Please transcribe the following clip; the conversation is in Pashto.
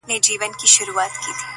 د هغه ږغ د هر چا زړه خپلوي.